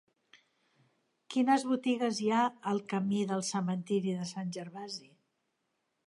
Quines botigues hi ha al camí del Cementiri de Sant Gervasi?